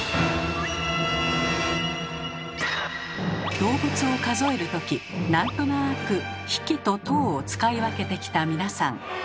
動物を数える時なんとなく「匹」と「頭」を使い分けてきた皆さん。